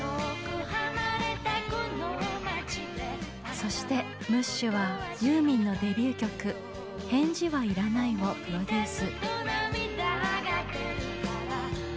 そしてムッシュはユーミンのデビュー曲「返事はいらない」をプロデュース。